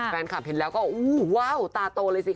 แฟนคลับเห็นแล้วก็อู้ว้าวตาโตเลยสิค